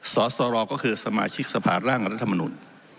สสรก็คือสมาชิกสภาร่างรัฐมนุน